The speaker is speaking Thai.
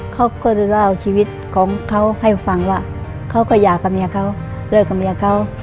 เขาก็จะเล่าชีวิตของเขาให้ฟังว่าเขาก็อยากกับเมียเขาเลิกกับเมียเขา